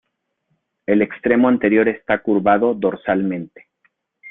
El extremo anterior está curvado dorsalmente.